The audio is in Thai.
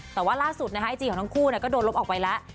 แต่ว่าล่าสุดไอจีของทั้งคู่ก็โดนลบออกไปแล้ว